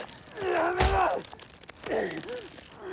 やめろ！